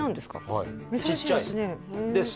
はいちっちゃい珍しいですね